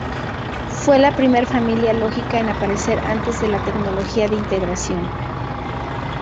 Fue la primera familia lógica en aparecer antes de la tecnología de integración.